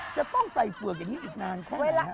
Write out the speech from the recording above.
จะต้องใส่เฝือกอย่างนี้อีกนานแค่ไหนฮะ